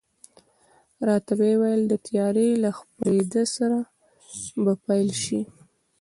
راته وې ویل، د تیارې له خپرېدا سره به پیل شي.